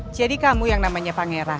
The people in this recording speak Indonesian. jadi kamu yang namanya pangeran